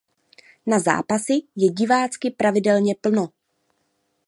Na zápasy je divácky pravidelně plno.